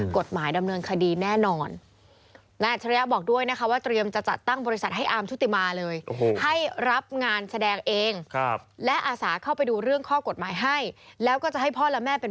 กฎหมายดำเนินคดีแน่นอน